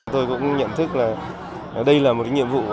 tôi cũng nhận thức là đây là một cái nhiệm vụ